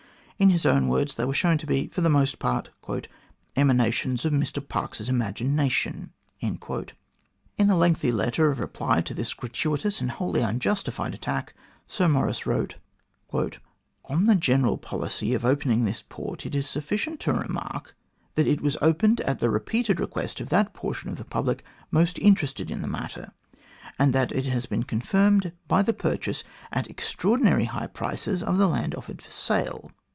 In his own words, they were shown to be, for the most part, "emanations of Mr Parkes's imagination." In a lengthy letter of reply to this gratuitous and wholly unjustified attack, Sir Maurice wrote :" On the general policy of opening this port, it is sufficient to remark that it was opened at the repeated request of that portion of the public most interested in the matter, and that it has been confirmed by the purchase, at extraordinarily high prices, of the land offered for sale.